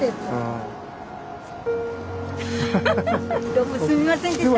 どうもすみませんでした。